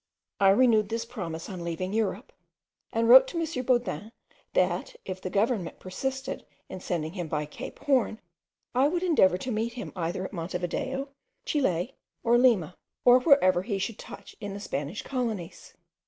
I renewed this promise on leaving Europe, and wrote to M. Baudin, that if the government persisted in sending him by Cape Horn, I would endeavour to meet him either at Monte Video, Chile, or Lima, or wherever he should touch in the Spanish colonies.